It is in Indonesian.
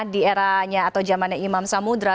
di eranya atau zamannya imam samudera